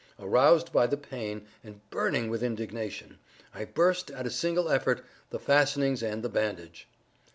Aroused by the pain, and burning with indignation, I burst, at a single effort, the fastenings and the bandage.